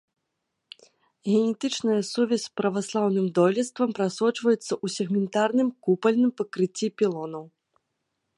Генетычная сувязь з праваслаўным дойлідствам прасочваецца ў сегментарным купальным пакрыцці пілонаў.